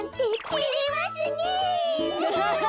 てれますねえ。